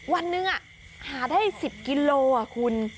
วันหนึ่งหาได้๑๐กิโลคุณ